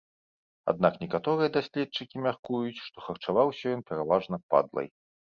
Аднак некаторыя даследчыкі мяркуюць, што харчаваўся ён пераважна падлай.